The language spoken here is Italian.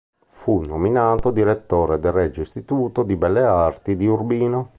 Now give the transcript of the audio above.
Fu nominato direttore del Regio Istituto di Belle Arti di Urbino.